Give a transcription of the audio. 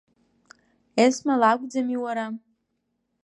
Есма лакәӡами уара?